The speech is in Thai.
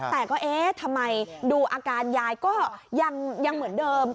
แต่ต้องดูอาการยายยังเหมือนเดิม